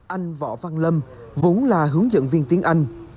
anh võ văn lâm vốn là hướng dẫn viên tiếng anh